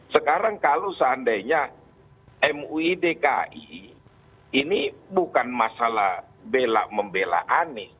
sekarang kalau seandainya mui dki ini bukan masalah bela membela anies